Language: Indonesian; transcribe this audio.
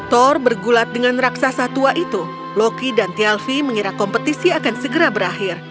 thor bergulat dengan raksasa tua itu loki dan thialfi mengira kompetisi akan segera berakhir